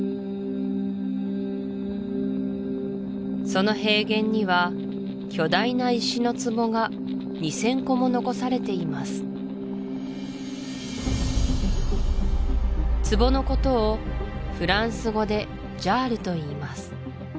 その平原には巨大な石の壺が２０００個も残されています壺のことをフランス語でジャールといいます